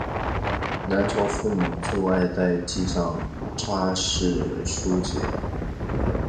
南朝妇女就爱在髻上插饰梳栉。